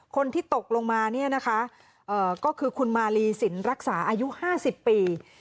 คนที่ตกลงมาก็คือคุณมาลีสินรักษาอายุ๕๐ปี